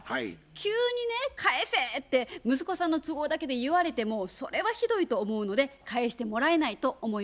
急にね「返せ」って息子さんの都合だけで言われてもそれはひどいと思うので返してもらえないと思います。